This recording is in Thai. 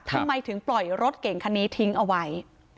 ทำไมถึงปล่อยรถเก่งคันนี้ทิ้งเอาไว้